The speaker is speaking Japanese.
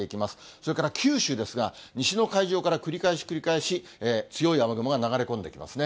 それから九州ですが、西の海上から繰り返し繰り返し、強い雨雲が流れ込んできますね。